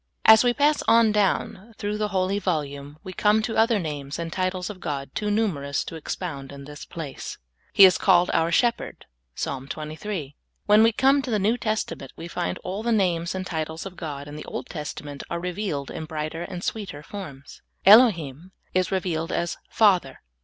As we pass on down through the holy volume, we come to other names and titles of God too numerous to expound in this place. He is called our Shepherd. (Ps. 23.) When we come to the New Testament, we find all the names and titles of God in the Old Testament are revealed in brighter and sweeter forms. Elohim is revealed as Father.